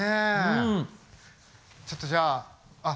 ちょっとじゃああっ